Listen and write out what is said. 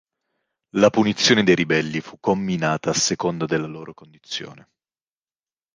La punizione dei ribelli fu comminata a seconda della loro condizione.